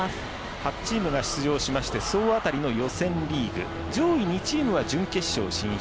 ８チームが出場しまして総当たりの予選リーグ上位２チームは準決勝進出。